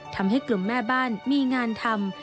ทำให้กลุ่มแม่บ้านมีงานทำ